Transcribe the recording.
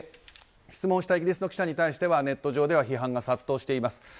質問したイギリスの記者に対してはネット上で批判が殺到しています。